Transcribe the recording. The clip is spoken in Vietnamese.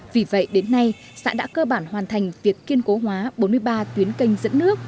vì vậy đến nay xã đã cơ bản hoàn thành việc kiên cố hóa bốn mươi ba tuyến canh dẫn nước